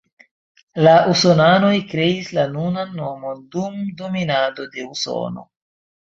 La usonanoj kreis la nunan nomon dum dominado de Usono.